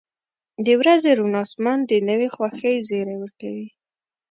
• د ورځې روڼ آسمان د نوې خوښۍ زیری ورکوي.